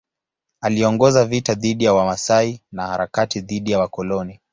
Aliongoza vita dhidi ya Wamasai na harakati dhidi ya wakoloni.